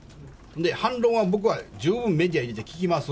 反論は僕は十分メディアにて聞きます。